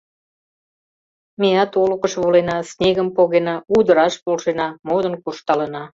Меат олыкыш волена, снегым погена, удыраш полшена, модын куржталына...